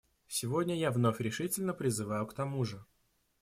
Сегодня я вновь решительно призываю к тому же.